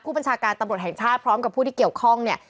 บัญชาการตำรวจแห่งชาติพร้อมกับผู้ที่เกี่ยวข้องเนี่ย